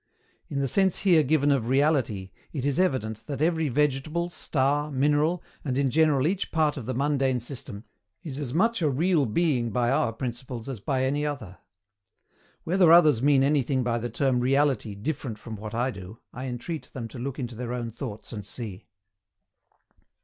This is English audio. In the sense here given of REALITY it is evident that every vegetable, star, mineral, and in general each part of the mundane system, is as much a REAL BEING by our principles as by any other. Whether others mean anything by the term REALITY different from what I do, I entreat them to look into their own thoughts and see.